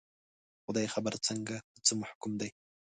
خدای خبر څنګه، په څه محکوم دي